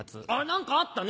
何かあったね